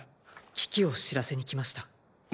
危機を知らせに来ました。